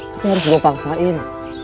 tapi harus gue paksain